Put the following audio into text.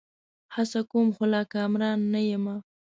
هڅه کوم؛ خو لا کامران نه یمه